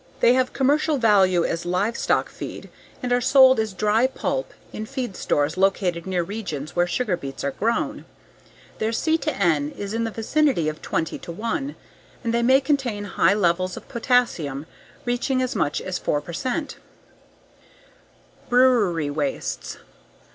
They have commercial value as livestock feed and are sold as dry pulp in feed stores located near regions where sugar beets are grown. Their C/N is in the vicinity of 20:1 and they may contain high levels of potassium, reaching as much as 4 percent. _Brewery wastes.